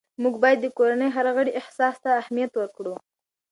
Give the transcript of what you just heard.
موږ باید د کورنۍ هر غړي احساس ته اهمیت ورکړو